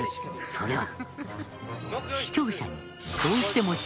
それは。